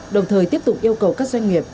đồng thời tiếp tục yêu cầu các doanh nghiệp